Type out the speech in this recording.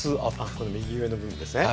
この右上の部分ですね。